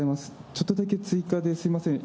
ちょっとだけ追加ですみません。